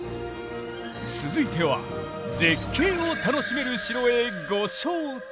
続いては絶景を楽しめる城へご招待！